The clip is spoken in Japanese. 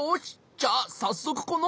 じゃあさっそくこの。